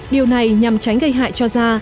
điều này nhằm tránh gây hại cho da